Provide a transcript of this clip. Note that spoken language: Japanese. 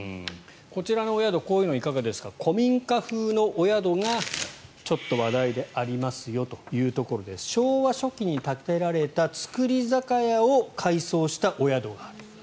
こちらのお宿こういうのはいかがですか古民家風のお宿がちょっと話題でありますよというところで昭和初期に建てられた造り酒屋を改装したお宿がある。